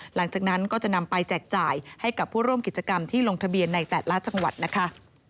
หลังจากนั้นก็จะนำไปแจกจ่ายให้กับผู้ร่วมกิจกรรมที่ลงทะเบียนในแต่ละจังหวัดนะคะ